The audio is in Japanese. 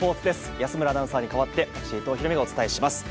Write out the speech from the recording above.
安村アナウンサーにかわってお伝えします。